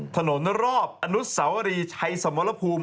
ถนนรอบอนุสาวรีชัยสมรภูมิ